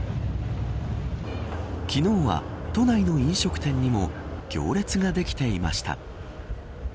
昨日は都内の飲食店にも行列ができていました。